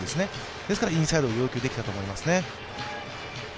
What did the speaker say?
ですからインサイドを要求できたと思いますね。